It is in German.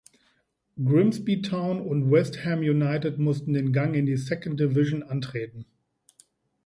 Grimsby Town und West Ham United mussten den Gang in die Second Division antreten.